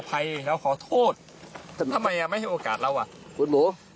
ผมก็ผ่านมาก่อนผมก็ยังสู่